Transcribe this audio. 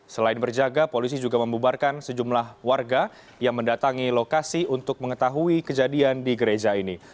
selain berjaga polisi juga membubarkan sejumlah warga yang mendatangi lokasi untuk mengetahui kejadian di gereja ini